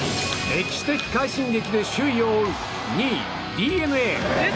歴史的快進撃で首位を追う２位、ＤｅＮＡ。